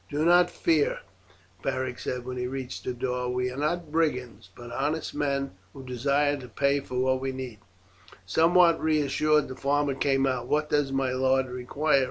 "Do not fear," Beric said when he reached the door, "we are not brigands, but honest men, who desire to pay for what we need." Somewhat reassured, the farmer came out. "What does my lord require?"